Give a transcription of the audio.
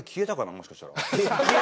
もしかしたら。